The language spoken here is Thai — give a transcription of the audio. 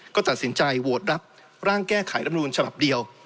ก็ตัดสินใจโหวตรับร่างแก้ไขรำนูลฉบับเดียว